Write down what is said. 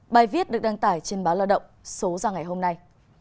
bài viết được đăng tải trên báo lao động số ra ngày hôm nay